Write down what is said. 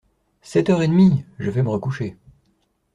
Sept heures et demie !… je vais me recoucher…